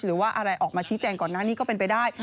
หรือว่าอะไรออกมาชี้แจงก่อนหน้านี้ก็เป็นไปได้